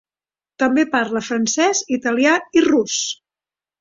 També parla francès, italià i rus.